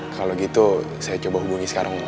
kalau gitu saya coba hubungi sekarang om ya